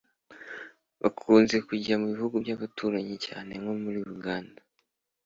bakunze kujya mu bihugu by’abaturanyi cyane nko muri Uganda